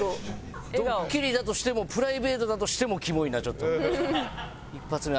ドッキリだとしてもプライベートだとしてもキモいなちょっと一発目赤貝は。